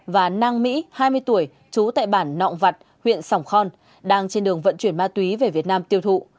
và năng mỹ hai mươi tuổi chú tại bản nọng vặt huyện sòng khon đang trên đường vận chuyển ma túy về việt nam tiêu thụ